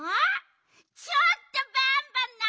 ちょっとバンバンなにそのえ！